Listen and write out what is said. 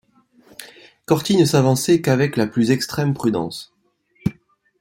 Corty ne s’avançait qu’avec la plus extrême prudence.